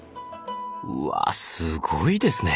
うわすごいですね！